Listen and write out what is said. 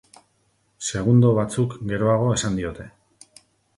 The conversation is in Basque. Segundo batzuk geroago esan diote.